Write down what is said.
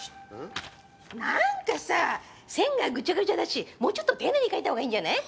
なーんかさ線がぐちゃぐちゃだしもうちょっと丁寧に描いたほうがいいんじゃない？